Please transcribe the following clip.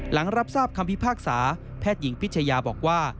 หลังรับทราบคำพิพากษาแพทย์หญิงพิชยาบอกว่า